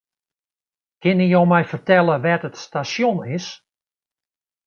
Kinne jo my fertelle wêr't it stasjon is?